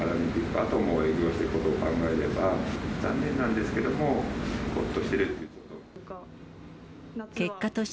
あとも営業していくことを考えれば、残念なんですけども、ほっとしてるということが。